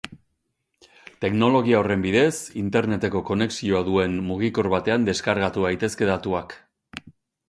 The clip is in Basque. Teknologia horren bidez, interneteko konexioa duen mugikor batean deskargatu daitezke datuak.